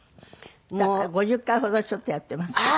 だから５０回ほどちょっとやってますけど。